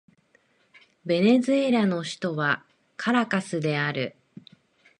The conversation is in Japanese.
ベネズエラの首都はカラカスである